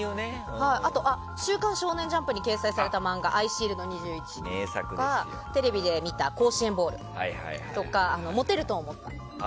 あとは「週刊少年ジャンプ」に掲載された漫画「アイシールド２１」とかテレビで見た甲子園ボウルとかモテると思ったとか。